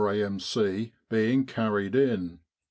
A.M.C., being carried in.